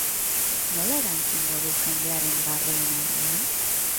Nola erantzungo du jendearen barreen aurrean?